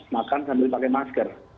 makan sambil pakai masker